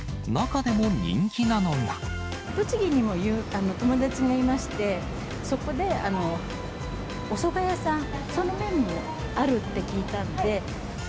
栃木にも友達がいまして、そこでおそば屋さん、その麺もあるって聞いたんで。